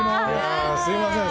すみません。